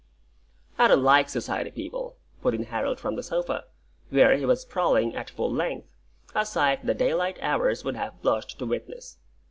"I don 't like society people," put in Harold from the sofa, where he was sprawling at full length, a sight the daylight hours would have blushed to witness.